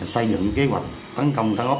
xây dựng kế hoạch tấn công trắng ốc